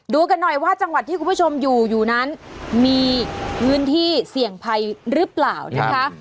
ดูกันหน่อยว่าจังหวัดที่คุณผู้ชมอยู่อยู่นั้นมีพื้นที่เสี่ยงภัยหรือเปล่านะคะ